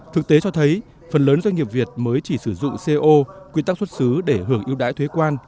thực tế cho thấy phần lớn doanh nghiệp việt mới chỉ sử dụng co quy tắc xuất xứ để hưởng ưu đãi thuế quan